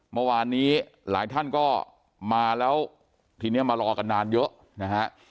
เมื่อวานนี้หลายท่านก็มาแล้วทีนี้มารอกันนานเยอะนะฮะ